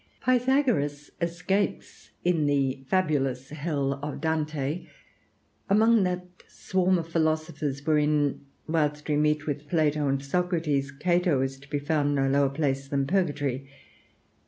Pythagoras escapes, in the fabulous hell of Dante, among that swarm of philosophers, wherein, whilst we meet with Plato and Socrates, Cato is to be found in no lower place than Purgatory.